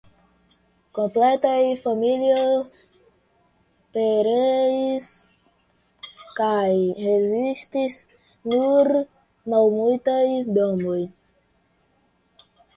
Kompletaj familioj pereis kaj restis nur malmultaj domoj.